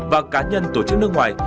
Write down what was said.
và cá nhân tổ chức nước ngoài